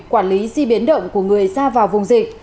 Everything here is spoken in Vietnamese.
quản lý di biến động của người ra vào vùng dịch